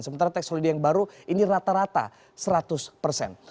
sementara tax holiday yang baru ini rata rata seratus persen